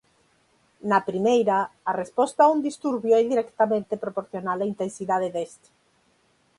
Na primeira a resposta a un disturbio é directamente proporcional á intensidade deste.